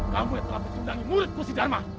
kamu yang telah mencundangi muridku si dharma